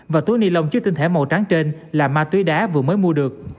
và túi ni lông chiếc tinh thẻ màu trắng trên là ma túy đá vừa mới mua được